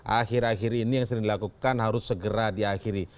akhir akhir ini yang sering dilakukan harus segera diakhiri